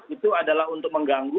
itu adalah untuk mengganggu